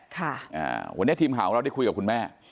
วันนี้ทีมหาวงเราก็ได้คุยกับคุณแม่